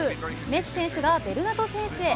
メッシ選手がベルナト選手へ。